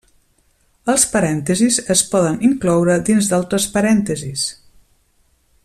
Els parèntesis es poden incloure dins d'altres parèntesis.